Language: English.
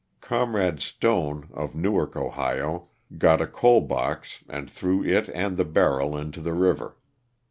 Comrade Stone of Newark, Ohio, got a coal box and threw it and the barrel into the river.